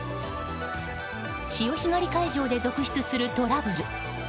潮干狩り会場で続出するトラブル。